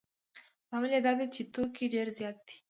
لامل یې دا دی چې توکي ډېر زیات دي